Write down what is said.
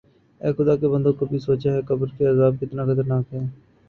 اے خدا کے بندوں کبھی سوچا ہے قبر کا عذاب کتنا خطرناک ہے